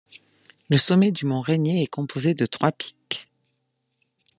Le sommet du mont Rainier est composé de trois pics.